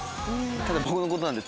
ただ。